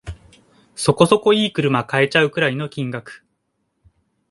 そこそこ良い車買えちゃうくらいの金額